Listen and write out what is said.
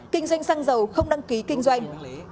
kinh doanh xăng dầu không đăng ký kinh doanh